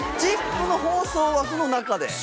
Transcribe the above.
『ＺＩＰ！』の放送枠の中で？